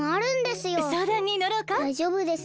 だいじょうぶです。